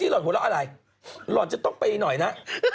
รวนจะต้องไปหน่อยนะ